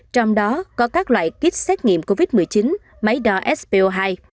trong đó có các loại kit xét nghiệm covid một mươi chín máy đo spo hai